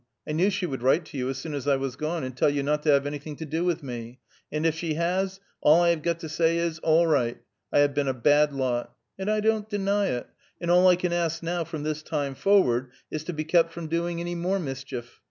I knew she would write to you, as soon as I was gone, and tell you not to have anything to do with me; and if she has, all I have got to say is, all right. I have been a bad lot, and I don't deny it, and all I can ask now, from this time forward, is to be kept from doing any more mischief.